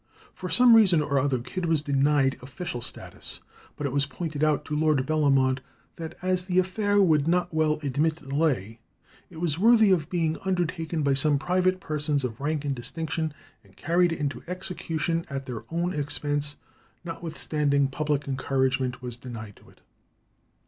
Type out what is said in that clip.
For some reason or other Kidd was denied official status; but it was pointed out to Lord Bellamont that, as the affair would not well admit delay, "it was worthy of being undertaken by some private persons of rank and distinction, and carried into execution at their own expense, notwithstanding public encouragement was denied to it."